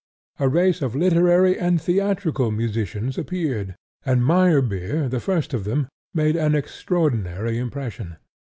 A race of literary and theatrical musicians appeared; and Meyerbeer, the first of them, made an extraordinary impression.